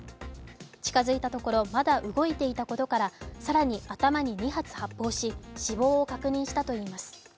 近づいたところ、まだ動いていたことから更に頭に２発発砲し、死亡を確認したといいます。